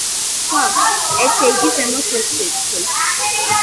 გვაქვს, ესე იგი, ზემოთ ეს რიცხვი.